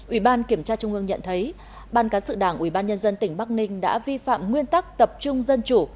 ủy ban kiểm tra trung ương nhận thấy ban cán sự đảng ủy ban nhân dân tỉnh bắc ninh đã vi phạm nguyên tắc tập trung dân chủ